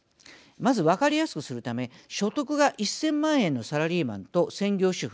まず、分かりやすくするため所得が１０００万円のサラリーマンと専業主婦